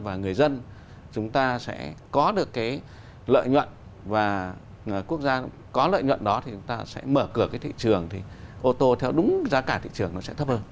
và người dân chúng ta sẽ có được cái lợi nhuận và quốc gia có lợi nhuận đó thì chúng ta sẽ mở cửa cái thị trường thì ô tô theo đúng giá cả thị trường nó sẽ thấp hơn